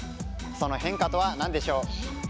その変化とは何でしょう？